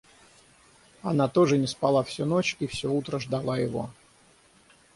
Она тоже не спала всю ночь и всё утро ждала его.